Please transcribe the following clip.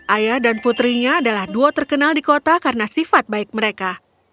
ayah dan putrinya adalah duo terkenal di kota karena sifat baik mereka